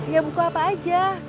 ya buku apa aja